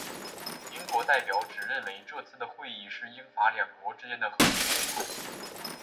英国代表只认为这次的会议是英法两国间的和平会谈。